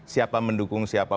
siapa mendukung siapa